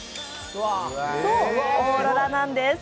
そう、オーロラなんです。